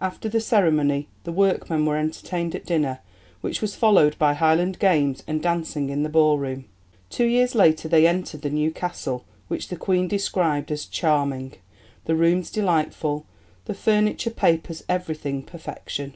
After the ceremony the workmen were entertained at dinner, which was followed by Highland games and dancing in the ballroom. Two years later they entered the new castle, which the Queen described as "charming; the rooms delightful; the furniture, papers, everything perfection."